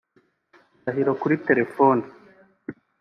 Ndahiro kuri telefone